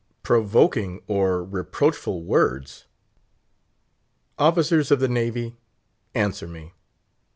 "Provoking or reproachful words!" Officers of the Navy, answer me!